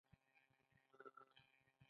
دوی د ریسایکل کولو فابریکې لري.